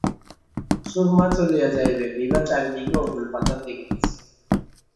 সুরমা চলিয়া যাইবে, বিভা চারিদিকে অকূল পাথার দেখিতেছে।